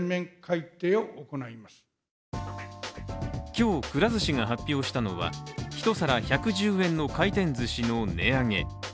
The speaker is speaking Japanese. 今日、くら寿司が発表したのは１皿１１０円の回転ずしの値上げ。